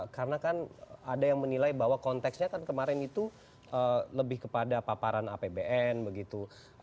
karena kan ada yang menilai bahwa konteksnya kan kemarin itu lebih kepada paparan apbn begitu